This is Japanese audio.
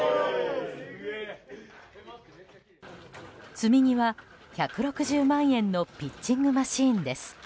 積み荷は、１６０万円のピッチングマシーンです。